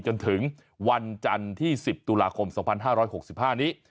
จนถึงวันจันทร์ที่๑๐ตุลาคม๒๕๖๕นี้